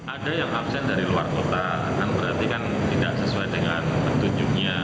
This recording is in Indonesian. ada yang absen dari luar kota kan berarti kan tidak sesuai dengan petunjuknya